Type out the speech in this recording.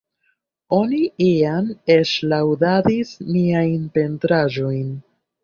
Oni iam eĉ laŭdadis miajn pentraĵojn.